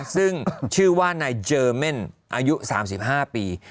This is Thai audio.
ซึ่งชื่อว่านายเจอร์เม่นอายุ๓๕ปี